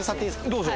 どうぞ。